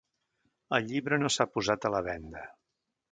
El llibre no s'ha posat a la venda.